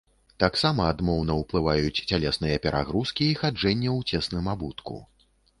Таксама адмоўна ўплываюць цялесныя перагрузкі і хаджэнне ў цесным абутку.